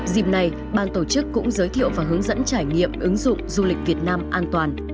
dịp này ban tổ chức cũng giới thiệu và hướng dẫn trải nghiệm ứng dụng du lịch việt nam an toàn